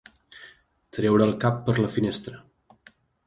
Treure el cap per la finestra.